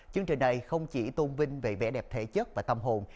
chương trình này không chỉ tôn vinh về vẻ đẹp thể chất và tâm hồn